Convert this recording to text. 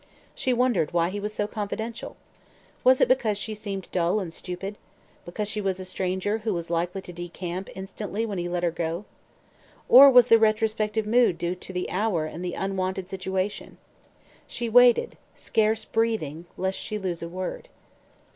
She wondered why he was so confidential. Was it because she seemed dull and stupid? Because she was a stranger who was likely to decamp instantly when he let her go? Or was the retrospective mood due to the hour and the unwonted situation? She waited, scarce breathing lest she lose a word.